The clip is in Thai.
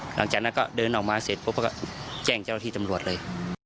หลังจากนั้นก็เดินออกมาเสร็จปุ๊บเขาก็แจ้งเจ้าหน้าที่ตำรวจเลย